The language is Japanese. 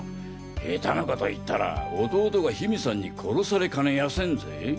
下手なこと言ったら弟が緋美さんに殺されかねやせんぜ。